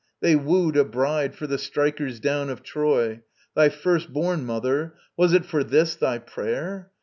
They wooed a bride for the strikers down of Troy Thy first born, Mother: was it for this, thy prayer?